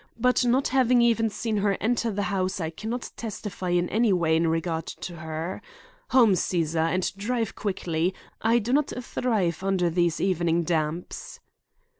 But not having even seen her enter the house I can not testify in any way in regard to her. Home, Cæsar, and drive quickly. I do not thrive under these evening damps."